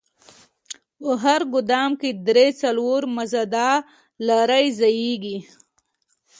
په هر ګودام کښې درې څلور مازدا لارۍ ځايېږي.